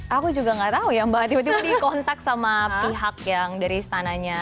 aku juga gak tahu ya mbak tiba tiba dikontak sama pihak yang dari istananya